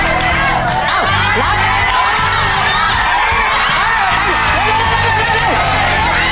อ้าวเข้าแล้วไป